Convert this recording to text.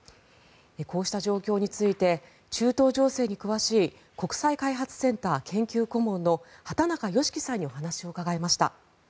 こうした状況について中東情勢に詳しい国際開発センター研究顧問の畑中美樹さんにお話を伺いました。